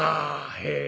へえ。